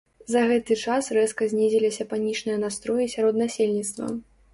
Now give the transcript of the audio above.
За гэты час рэзка знізіліся панічныя настроі сярод насельніцтва.